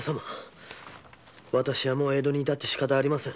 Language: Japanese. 私はもう江戸にいたって仕方ありません。